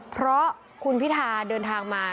เพราะคุณพิธาเดินทางมา